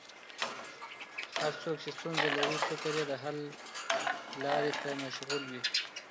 هر څوک چې ستونزه لري، فکر یې د حل لارې ته مشغول وي.